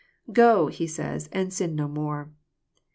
Go," He says, " and sin no more.